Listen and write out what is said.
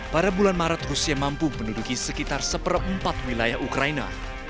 pada bulan maret rusia mampu menduduki sekitar seperempat wilayah ukraina